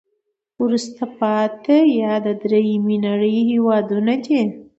وروسته پاتې یا د دریمې نړی هېوادونه دي.